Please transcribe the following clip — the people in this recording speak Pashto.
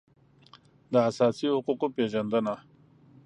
د اساسي حقوقو پېژندنه